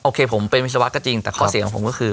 โคผมเป็นวิศวะก็จริงแต่ข้อเสียงของผมก็คือ